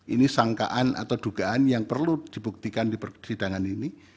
ini sangkaan atau dugaan yang perlu dibuktikan di persidangan ini